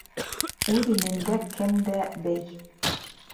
Үҙ илендә кем дә бей.